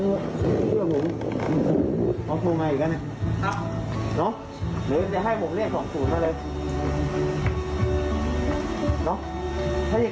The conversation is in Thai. โอ้ทุกที่ไล่โมงโมงเตรียมโมงเอาโมงไงอีกแล้วเนี่ย